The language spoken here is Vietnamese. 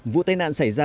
vụ tai nạn xảy ra